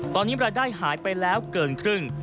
ตอนนี้รายได้หายไปแล้วเกินครึ่ง